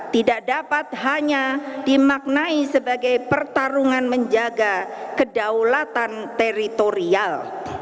tidak dapat hanya dimaknai sebagai pertarungan menjaga kedaulatan teritorial